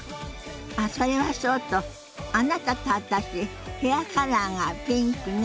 あっそれはそうとあなたと私ヘアカラーがピンクね。